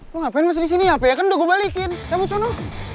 lo ngapain masih disini ya kan udah gue balikin cabut sonu